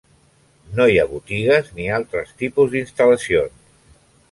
No hi ha botigues ni altres tipus d'instal·lacions.